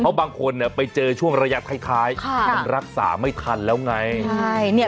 เพราะบางคนไปเจอช่วงระยะคล้ายมันรักษาไม่ทันแล้วไง